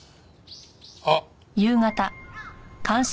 あっ！